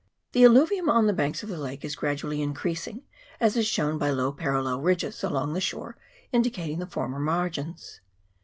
The alluvium on the banks of the lake is gradually increasing, as is shown by low parallel ridges along the shore, indicating the former margins.